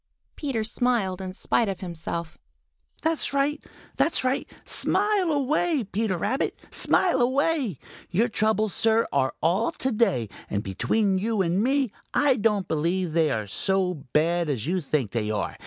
Peter smiled in spite of himself. "That's right! That's right! Smile away, Peter Rabbit. Smile away! Your troubles, Sir, are all to day. And between you and me, I don't believe they are so bad as you think they are.